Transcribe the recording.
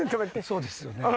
そうですよね。